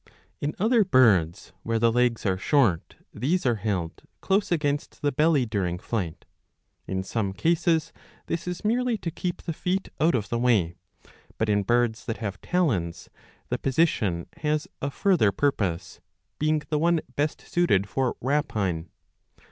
^* In other birds, where the legs are short, these are held close against the belly during flight. In some cases this is merely to keep the feet out of the way, but in birds that have talons the position has a further purpose, being the one best suited for rapine.